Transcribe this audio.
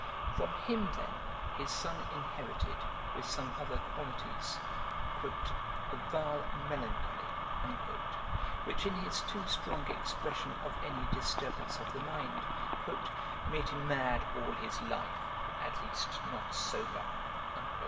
From him then his son inherited, with some other qualities, 'a vile melancholy,' which in his too strong expression of any disturbance of the mind, 'made him mad all his life, at least not sober.'